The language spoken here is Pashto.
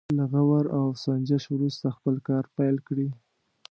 له غور او سنجش وروسته خپل کار پيل کړي.